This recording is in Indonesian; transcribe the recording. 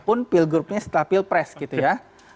pun pilgubnya setelah pilpres gitu ya